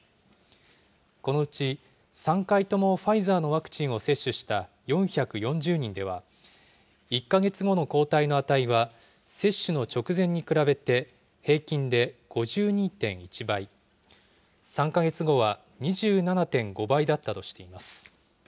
このうち３回ともファイザーのワクチンを接種した４４０人では、１か月後の抗体の値は、接種の直前に比べて平均で５２．１倍、３か月後は２７．５倍だったとしています。